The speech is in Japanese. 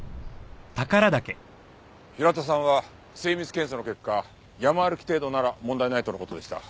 平田さんは精密検査の結果山歩き程度なら問題ないとの事でした。